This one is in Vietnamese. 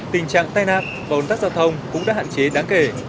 tình trạng tai nạp và ổn tắc giao thông cũng đã hạn chế đáng kể